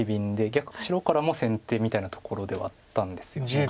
白からも先手みたいなところではあったんですよね。